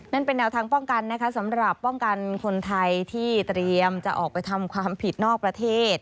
นั่นเป็นแนวทางป้องกันนะคะสำหรับป้องกันคนไทยที่เตรียมจะออกไปทำความผิดนอกประเทศ